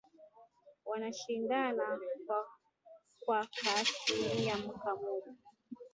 wanashindana kwa kaaslimia kamoja